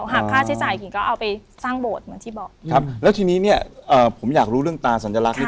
หากค่าใช้จ่ายกิ่งก็เอาไปสร้างโบสถ์เหมือนที่บอกครับแล้วทีนี้เนี้ยเอ่อผมอยากรู้เรื่องตาสัญลักษณ์